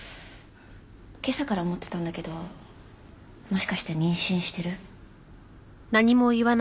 今朝から思ってたんだけどもしかして妊娠してる？